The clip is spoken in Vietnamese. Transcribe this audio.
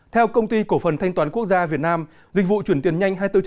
theo công ty cổ phần thanh toán quốc gia việt nam dịch vụ chuyển tiền nhanh hai trăm bốn mươi bảy